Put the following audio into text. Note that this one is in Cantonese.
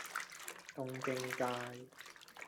東京街